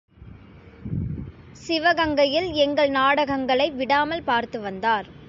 சிவகங்கையில் எங்கள் நாடகங்களை விடாமல் பார்த்து வந்தார்.